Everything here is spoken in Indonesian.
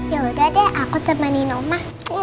ya udah deh aku temenin oma